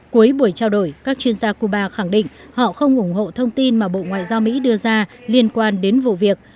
cuối buổi trao đổi các chuyên gia cuba khẳng định họ không ủng hộ thông tin mà bộ ngoại giao mỹ đưa ra liên quan đến vụ việc